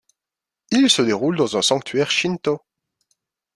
Il se déroule dans un sanctuaire shinto.